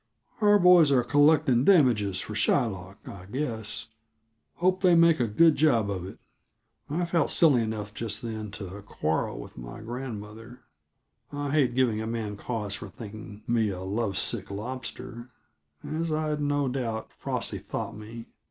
Our boys are collecting damages for Shylock, I guess; hope they make a good job of it." I felt silly enough just then to quarrel with my grandmother; I hate giving a man cause for thinking me a love sick lobster, as I'd no doubt Frosty thought me.